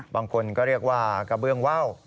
บางคนก็เรียกว่ากระเบื้องว่าว